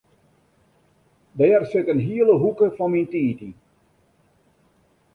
Dêr sit in hiele hoeke fan myn tiid yn.